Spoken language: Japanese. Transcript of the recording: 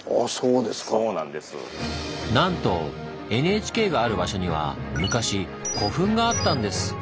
なんとＮＨＫがある場所には昔古墳があったんです！